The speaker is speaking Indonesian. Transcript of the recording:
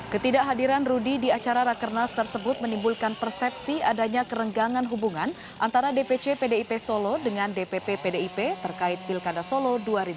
ketidakhadiran rudy di acara rakernas tersebut menimbulkan persepsi adanya kerenggangan hubungan antara dpc pdip solo dengan dpp pdip terkait pilkada solo dua ribu dua puluh